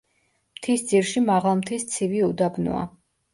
მთისძირში მაღალმთის ცივი უდაბნოა.